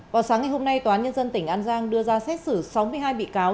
vào sáng ngày hôm nay tòa án nhân dân tỉnh an giang đưa ra xét xử sáu mươi hai bị cáo